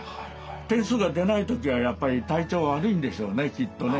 点数が出ない時はやっぱり体調悪いんでしょうねきっとね。